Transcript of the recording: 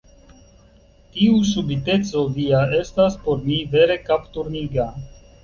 Tiu subiteco via estas por mi vere kapturniga.